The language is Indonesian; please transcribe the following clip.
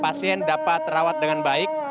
pasien dapat terawat dengan baik